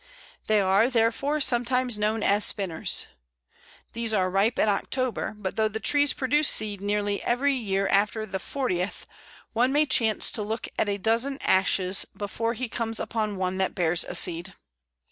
They are, therefore, sometimes known as "spinners." These are ripe in October; but though the trees produce seed nearly every year after the fortieth, one may chance to look at a dozen Ashes before he comes upon one that bears a seed.